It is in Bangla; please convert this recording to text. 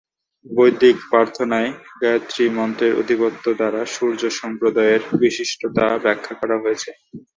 বৈদিক প্রার্থনায় গায়ত্রী মন্ত্রের আধিপত্য দ্বারা সূর্য সম্প্রদায়ের বিশিষ্টতা ব্যাখ্যা করা হয়েছে।